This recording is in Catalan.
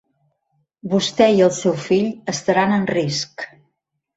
Vostè i el seu fill estaran en risc.